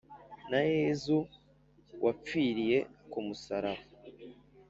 na yezu wapfiriye ku musaraba